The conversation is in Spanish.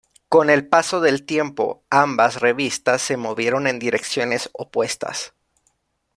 Con el paso del tiempo, ambas revistas se movieron en direcciones opuestas.